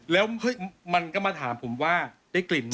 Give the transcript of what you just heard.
แล้วมันก็มาถามผมว่าได้กลิ่นไหม